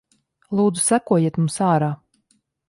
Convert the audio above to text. Lūdzu sekojiet mums ārā.